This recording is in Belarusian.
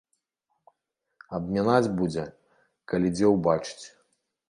Абмінаць будзе, калі дзе ўбачыць.